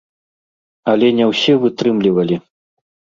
Але не ўсе вытрымлівалі.